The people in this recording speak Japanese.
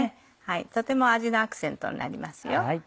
とても味のアクセントになります。